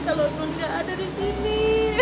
kalau non gak ada disini